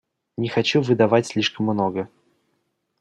Не хочу выдавать слишком много.